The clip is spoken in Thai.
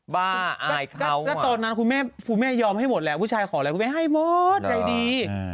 บ้าอายเข้ามาแล้วตอนนั้นคุณแม่ยอมให้หมดแล้วผู้ชายขอแล้วคุณแม่ให้หมดใดดี